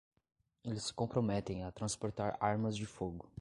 Eles se comprometem a transportar armas de fogo.